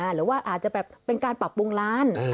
หรือว่าอาจจะแบบเป็นการปรับปรุงร้าน